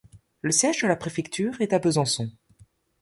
Le siège de la préfecture est à Besançon.